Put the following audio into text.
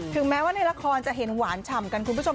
แม้ว่าในละครจะเห็นหวานฉ่ำกันคุณผู้ชม